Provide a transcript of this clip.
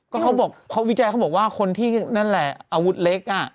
ก็เขาบอกวิจัยเขาบอกว่าคนที่นั่นแหละอาวุธเล็กอ่ะ